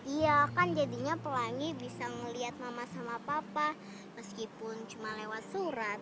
iya kan jadinya pelangi bisa melihat mama sama papa meskipun cuma lewat surat